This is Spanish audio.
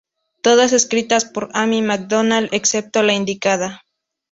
Todas escritas por Amy MacDonald excepto la indicada.